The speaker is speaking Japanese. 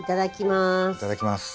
いただきます。